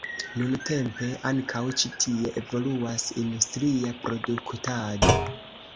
Nuntempe ankaŭ ĉi tie evoluas industria produktado.